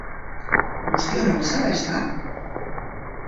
Guztiona bezala, ezta?